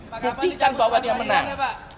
buktikan bahwa dia menang